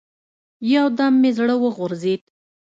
يو دم مې زړه وغورځېد.